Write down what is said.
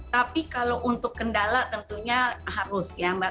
tapi kalau untuk kendala tentunya harus ya mbak